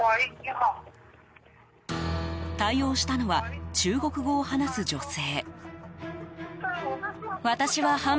対応したのは中国語を話す女性。